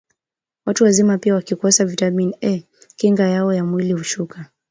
Watu wazima pia wakikosa vitamin A kinga yao ya mwili hushuka